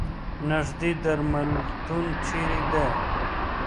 نیږدې درملتون چېرته ده؟